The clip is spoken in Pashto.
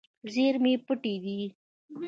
زیرمې پټ دي.